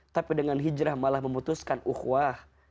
tapi dengan hijrah malah memutuskan uhwah